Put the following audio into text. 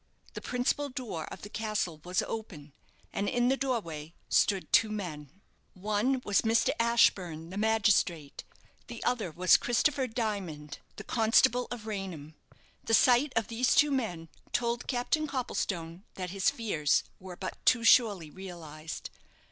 The principal door of the castle was open, and in the doorway stood two men. One was Mr. Ashburne, the magistrate; the other was Christopher Dimond, the constable of Raynham. The sight of these two men told Captain Copplestone that his fears were but too surely realized.